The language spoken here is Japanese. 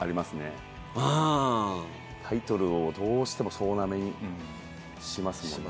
タイトルをどうしても総なめにしますもんね